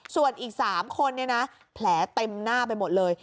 ส่วนอีก๓คนเนี่ยนะแผลเต็มหน้าไปหมดเลย